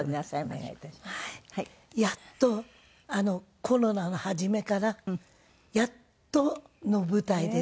やっとコロナの始めからやっとの舞台です。